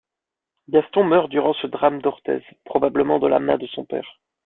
Gaston meurt durant ce drame d'Orthez, probablement de la main de son père.